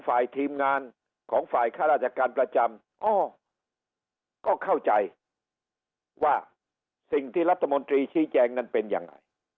ฝ่ายทีมงานของฝ่ายค่าราชการประจำก็เข้าใจว่าสิ่ง